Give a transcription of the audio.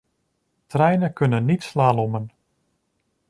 Treinen kunnen niet slalommen.